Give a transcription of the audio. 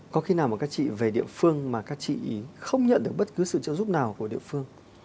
có khi nào mà các chị về địa phương mà các chị không nhận được bất cứ sự trợ giúp nào của địa phương